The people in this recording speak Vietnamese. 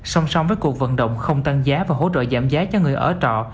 song song với cuộc vận động không tăng giá và hỗ trợ giảm giá cho người ở trọ